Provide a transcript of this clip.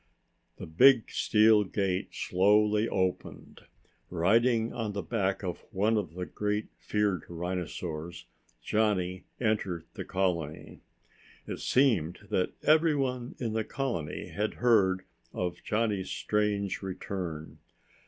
The big steel gate slowly opened. Riding on the back of one of the greatly feared rhinosaurs, Johnny entered the colony. It seemed that everyone in the colony had heard of Johnny's strange return.